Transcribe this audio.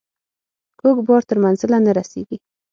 کوږ بار تر منزله نه رسیږي.